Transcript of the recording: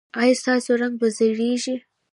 ایا ستاسو رنګ به زیړیږي؟